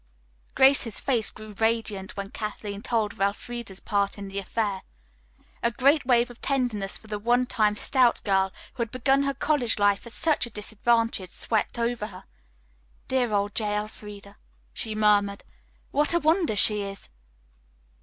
Grace's face grew radiant when Kathleen told of Elfreda's part in the affair. A great wave of love and tenderness for the one time stout girl, who had begun her college life at such a disadvantage, swept over her. "Dear old J. Elfreda," she murmured. "What a wonder she is!"